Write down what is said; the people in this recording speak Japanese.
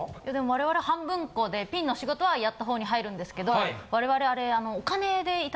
我々半分こでピンの仕事はやった方に入るんですけど我々。え？